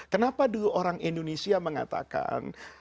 kenapa dulu orang indonesia mengatakan